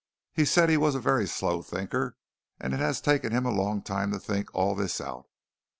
He said he was a very slow thinker, and it had taken him a long time to think all this out.